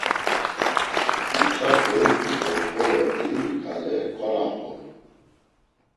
Musa goiktu do xolo Eyubi ǩale konaxolu.